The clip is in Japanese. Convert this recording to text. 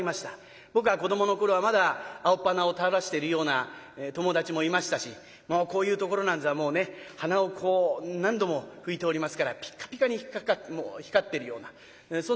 僕が子どもの頃はまだ青っぱなを垂らしているような友達もいましたしこういうところなんざはもうねはなをこう何度も拭いておりますからピカピカに光ってるようなそんな仲間もいた。